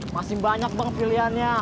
masih banyak bang pilihannya